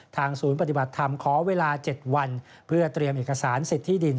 ศูนย์ปฏิบัติธรรมขอเวลา๗วันเพื่อเตรียมเอกสารสิทธิดิน